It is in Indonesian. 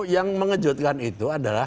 yang mengejutkan itu adalah